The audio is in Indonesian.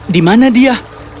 di mana dia